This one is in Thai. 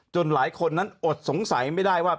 หลายคนนั้นอดสงสัยไม่ได้ว่า